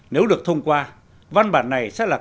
nếu được thông qua văn bản này sẽ là cơ sở pháp lý